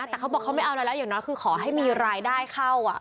แต่เขาบอกเขาไม่เอาอะไรแล้วอย่างน้อยคือขอให้มีรายได้เข้า